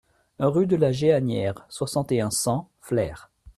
Rue de la Jéhannière, soixante et un, cent Flers